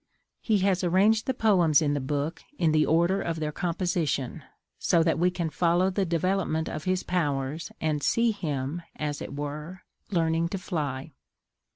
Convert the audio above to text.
He has arranged the poems in the book in the order of their composition, so that we can follow the development of his powers and see him, as it were, learning to fly.